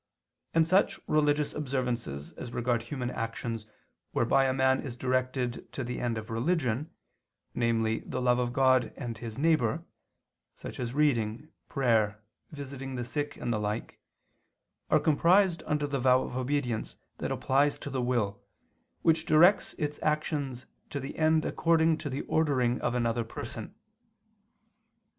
And such religious observances as regard human actions whereby a man is directed to the end of religion, namely the love of God and his neighbor (such as reading, prayer, visiting the sick, and the like), are comprised under the vow of obedience that applies to the will, which directs its actions to the end according to the ordering of another person.